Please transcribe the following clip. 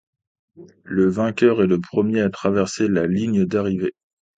Le vainqueur est le premier à traverser la ligne d'arrivée.